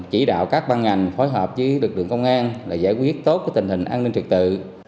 chỉ đạo các ban ngành phối hợp với lực lượng công an là giải quyết tốt tình hình an ninh trực tự